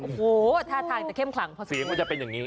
โอ้โหท่าทางแต่เข้มขลังเพราะเสียงว่าจะเป็นอย่างนี้